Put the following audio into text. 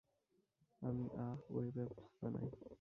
আমি, আহ, web apps বানাই।